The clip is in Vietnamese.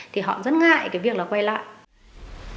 thì họ rất ngại cái việc là quay lại